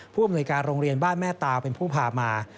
ผู้อำนวยการโรงเรียนบ้านแม่ตาเป็นผู้พามา